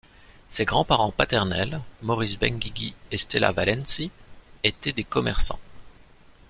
Ses grands-parents paternels, Maurice Benguigui et Stella Valency, étaient des commerçants.